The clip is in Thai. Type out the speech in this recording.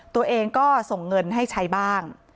ตัวเองก็ส่งเงินให้ใช้บ้าง